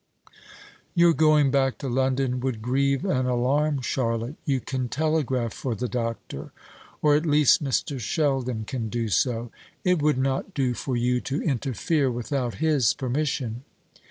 "Your going back to London would grieve and alarm Charlotte. You can telegraph for the doctor; or, at least, Mr. Sheldon can do so. It would not do for you to interfere without his permission."